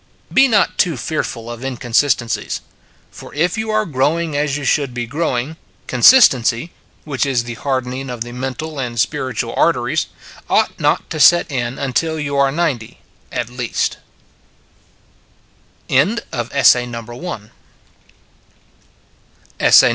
Be not too fearful of inconsistencies ; for if you are growing as you should be growing, consistency, which is the harden ing of the mental and spiritual arteries, ought not to set in until you are ninety, at least.